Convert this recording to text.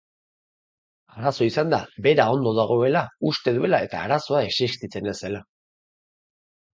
Arazo izan da bera ondo dagoela uste duela eta arazoa existitzen ez zela.